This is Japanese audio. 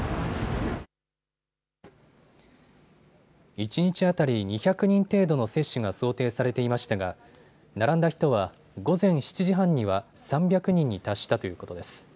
一日当たり２００人程度の接種が想定されていましたが並んだ人は午前７時半には３００人に達したということです。